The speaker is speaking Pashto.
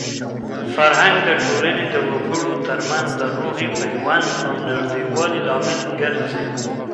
فرهنګ د ټولنې د وګړو ترمنځ د روحي پیوند او د نږدېوالي لامل ګرځي.